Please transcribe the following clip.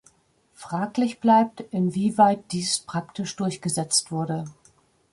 Fraglich bleibt, inwieweit dies praktisch durchgesetzt wurde.